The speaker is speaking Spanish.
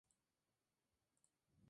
Se celebra anualmente en el mes de julio.